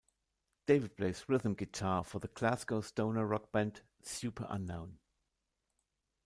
David plays rhythm guitar for the Glasgow stoner rock band Superunknown.